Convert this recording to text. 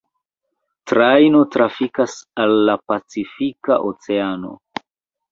Trajno trafikas al la Pacifika oceano.